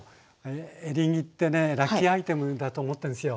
エリンギってねラッキーアイテムだと思ってるんですよ。